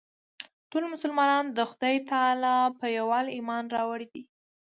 ټولو مسلمانانو د خدای تعلی په یووالي ایمان راوړی دی.